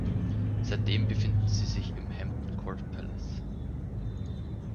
Seitdem befinden sie sich im Hampton Court Palace.